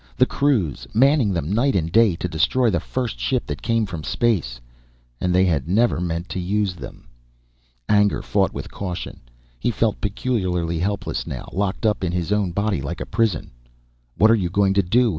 The crews, manning them night and day to destroy the first ship that came in from space. And they had never meant to use them! Anger fought with caution. He felt peculiarly helpless now, locked up in his own body like a prison. "What are you going to do?"